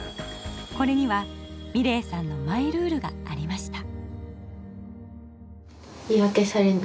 これには美礼さんのマイルールがありました。